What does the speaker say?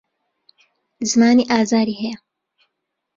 زمانی ئازاری هەیە.